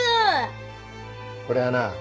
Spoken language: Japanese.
これはな